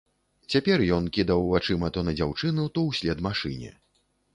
Цяпер ён кідаў вачыма то на дзяўчыну, то ўслед машыне.